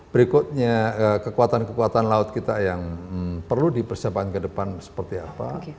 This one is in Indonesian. berikutnya kekuatan kekuatan laut kita yang perlu dipersiapkan ke depan seperti apa